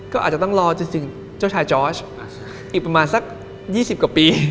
ก็อาจจะต้องรอจริงเจ้าชายจอร์ชอีกประมาณสัก๒๐กว่าปี